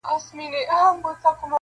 چي د ارزو غوټۍ مي څرنګه خزانه سوله-